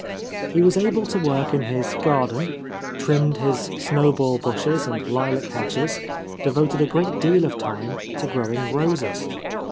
He was able to work in his garden, trimmed his snowball bushes and lilac hedges, devoted a great deal of time to growing roses.